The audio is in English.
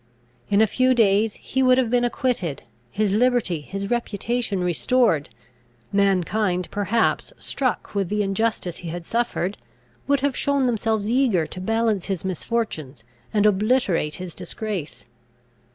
In a few days he would have been acquitted; his liberty, his reputation restored; mankind perhaps, struck with the injustice he had suffered, would have shown themselves eager to balance his misfortunes, and obliterate his disgrace.